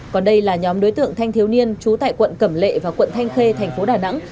còn đây là nhóm đối tượng thanh thiếu niên trú tại quận cẩm lệ và quận thanh khê thành phố đà nẵng